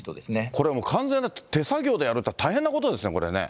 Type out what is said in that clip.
これもう、完全に手作業でやるって大変なことですね、これね。